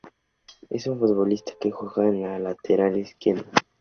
Es un futbolista que juega de lateral izquierdo.